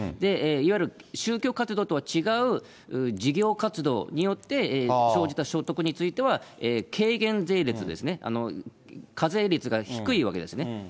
いわゆる宗教活動とは違う事業活動によって生じた所得については、軽減税率ですね、課税率が低いわけですね。